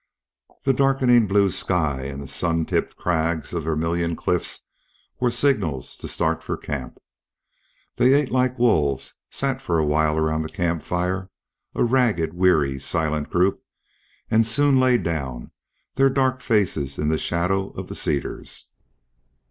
The darkening blue sky and the sun tipped crags of Vermillion Cliffs were signals to start for camp. They ate like wolves, sat for a while around the camp fire, a ragged, weary, silent group; and soon lay down, their dark faces in the shadow of the cedars.